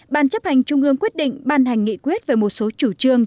ban chấp hành trung ương quyết định ban hành nghị quyết về một số chủ trương